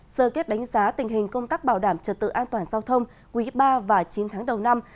sơ kết đánh giá tình hình công tác bảo đảm trật tự an toàn giao thông quý ba và chín tháng đầu năm